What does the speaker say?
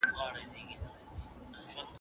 که تمرین روان وي نو مهارت نه کمزورېږي.